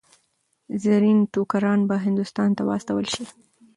زرین ټوکران به هندوستان ته واستول شي.